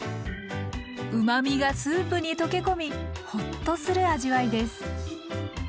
うまみがスープに溶け込みホッとする味わいです。